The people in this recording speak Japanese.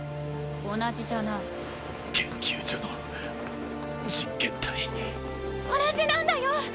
同じじゃない研究所の実験体同じなんだよ